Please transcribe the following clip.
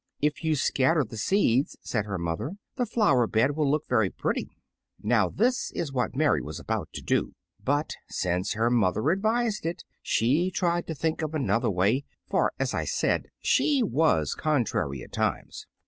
"If you scatter the seeds," said her mother, "the flower bed will look very pretty." Now this was what Mary was about to do; but since her mother advised it, she tried to think of another way, for, as I said, she was contrary at times.